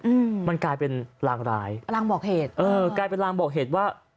อืมมันกลายเป็นรางร้ายรางบอกเหตุเออกลายเป็นรางบอกเหตุว่า